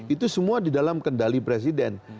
itu semua di dalam kendali presiden